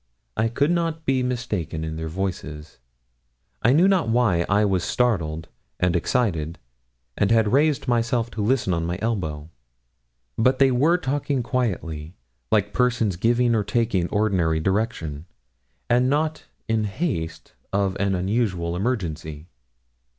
I could not be mistaken in their voices. I knew not why I was startled and excited, and had raised myself to listen on my elbow. But they were talking quietly, like persons giving or taking an ordinary direction, and not in the haste of an unusual emergency.